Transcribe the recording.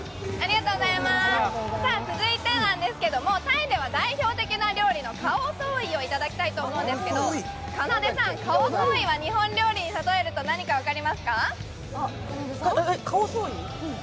続いては、タイでは代表的な料理のカオソーイをいただきたいと思うんですけどかなでさん、日本料理に例えると何だか分かりますか？